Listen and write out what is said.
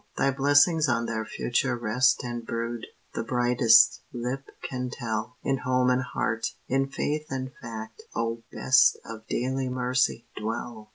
Thy blessings on their future rest and brood, The brightest, lip can tell, In home and heart, in faith and fact, O best Of daily mercy! dwell.